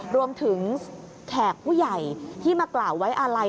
รวมถึงแขกผู้ใหญ่ที่มากล่าวไว้อะไร